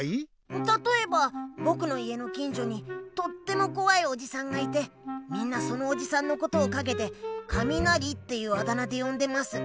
たとえばぼくの家のきんじょにとってもこわいおじさんがいてみんなそのおじさんのことをかげで「カミナリ」っていうあだ名でよんでます。